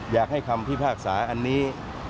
อยากให้คำพิพากษาอันนี้